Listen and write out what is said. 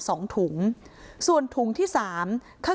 สองถุงส่วนถุงที่สาม